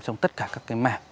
trong tất cả các mạng